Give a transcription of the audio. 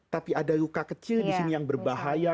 tapi ada luka kecil di sini yang berbahaya